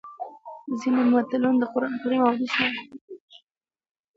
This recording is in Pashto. ځینې متلونه د قرانکریم او احادیثو مانا لري